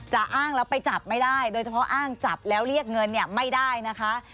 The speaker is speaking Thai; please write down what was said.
อ้างแล้วไปจับไม่ได้โดยเฉพาะอ้างจับแล้วเรียกเงินเนี่ยไม่ได้นะคะ